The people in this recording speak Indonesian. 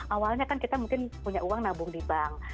awalnya kan kita mungkin punya uang nabung di bank